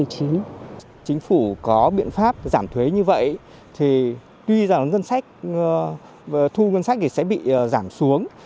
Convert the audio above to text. chính phủ có biện pháp giảm thuế như vậy thì tuy rằng thu ngân sách sẽ bị giảm xuống